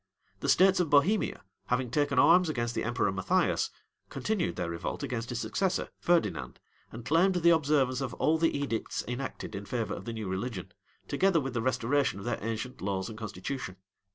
The states of Bohemia, having taken arms against the emperor Matthias, continued their revolt against his successor, Ferdinand, and claimed the observance of all the edicts enacted in favor of the new religion, together with the restoration of their ancient laws and constitution.